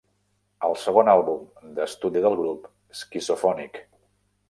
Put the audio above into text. El segon àlbum d'estudi del grup, "Schizophonic"!